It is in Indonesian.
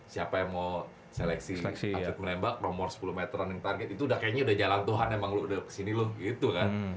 siapa yang mau seleksi atlet menembak nomor sepuluh meteran yang target itu kayaknya udah jalan tuhan emang lu udah kesini loh gitu kan